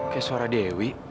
kayak suara dewi